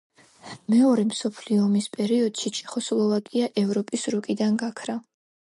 მეორე მსოფლიო ომის პერიოდში ჩეხოსლოვაკია ევროპის რუკიდან გაქრა.